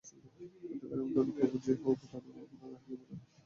হত্যাকারী এবং তাদের প্রভু যে-ই হোক, তাদের আমরা রেহাই দেব না।